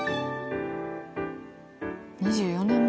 ２４年前か。